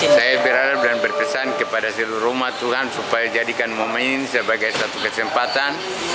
saya berharap dan berpesan kepada seluruh rumah tuhan supaya jadikan momen sebagai satu kesempatan